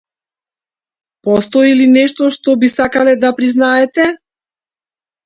Постои ли нешто што би сакале да признаете?